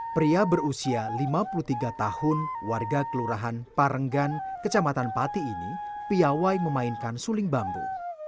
pria berusia lima puluh tiga tahun warga kelurahan parenggan kecamatan pati ini piawai memainkan suling bambu